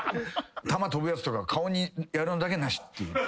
弾飛ぶやつとか顔にやるのだけはなしっていう。